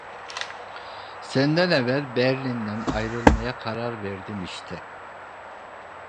Senden evvel Berlin'den ayrılmaya karar verdim işte…